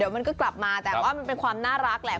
มันก็กลับมาแต่ว่ามันเป็นความน่ารักแหละ